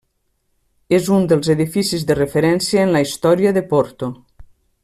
És un dels edificis de referència en la història de Porto.